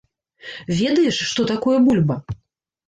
Ведаеш, што такое бульба?